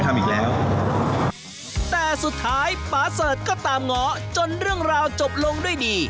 แต่สุดท้ายป่าเสริภก็ตามง้อจนเรื่องราวจบลงด้วยนี่